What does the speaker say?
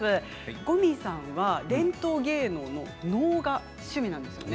五味さんは伝統芸能の能が趣味なんですよね。